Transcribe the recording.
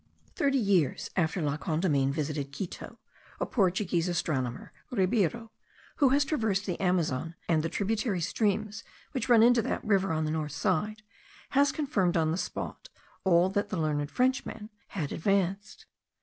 Thirty years after La Condamine visited Quito, a Portuguese astronomer, Ribeiro, who has traversed the Amazon, and the tributary streams which run into that river on the northern side, has confirmed on the spot all that the learned Frenchman had advanced.